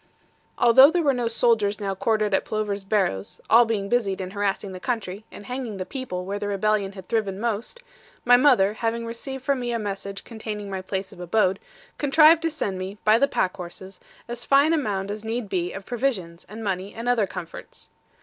Although there were no soldiers now quartered at Plover's Barrows, all being busied in harassing the country, and hanging the people where the rebellion had thriven most, my mother, having received from me a message containing my place of abode, contrived to send me, by the pack horses, as fine a maund as need be of provisions, and money, and other comforts.